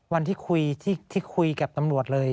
วันที่คุยกับตำรวจเลย